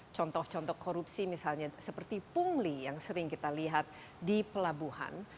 contoh contoh korupsi misalnya seperti pungli yang sering kita lihat di pelabuhan